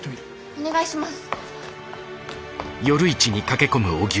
お願いします！